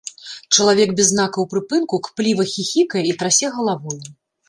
Чалавек без знакаў прыпынку кпліва хіхікае і трасе галавою.